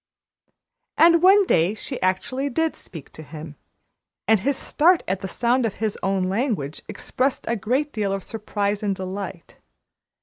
And one day she actually did speak to him, and his start at the sound of his own language expressed a great deal of surprise and delight.